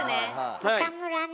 岡村ね